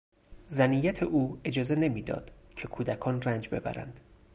زنیت او اجازه نمیداد که کودکان رنج ببرند.